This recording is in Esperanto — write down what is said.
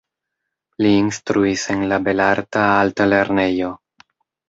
Li instruis en la Belarta Altlernejo.